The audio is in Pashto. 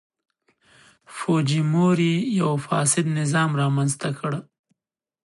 فوجیموري یو فاسد نظام رامنځته کړ.